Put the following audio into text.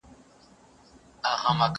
زه له سهاره د ښوونځي کتابونه مطالعه کوم!.